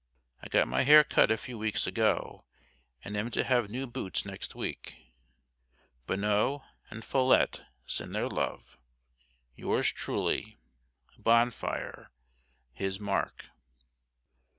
I got my hair cut a few weeks ago and am to have new boots next week. Bonneau and Follette send their love. Yours truly, BONFIRE His * Mark.